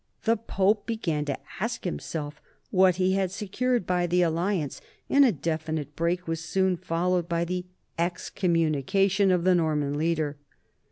The Pope began to ask himself what he had secured by the alliance, and a definite break was soon followed by the excommunication of the Norman leader.